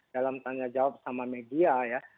dalam tanya jawab sama media ya